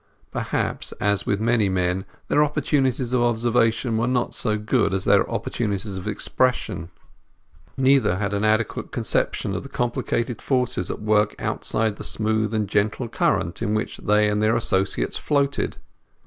Perhaps, as with many men, their opportunities of observation were not so good as their opportunities of expression. Neither had an adequate conception of the complicated forces at work outside the smooth and gentle current in which they and their associates floated.